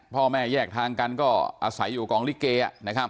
พ่อแม่แยกทางกันก็อาศัยอยู่กองลิเก